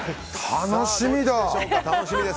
楽しみだ！